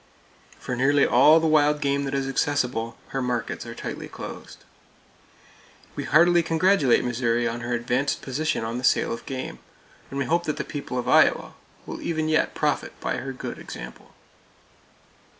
For nearly all the wild game that is accessible, her markets are tightly closed. We heartily congratulate Missouri on her advanced position on the sale of game, and we hope that the people of Iowa will even yet profit by her good example.